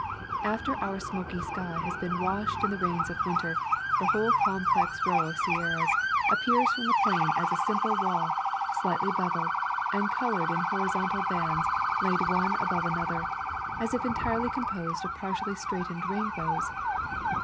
After our smoky sky has been washed in the rains of winter, the whole complex row of Sierras appears from the plain as a simple wall, slightly beveled, and colored in horizontal bands laid one above another, as if entirely composed of partially straightened rainbows.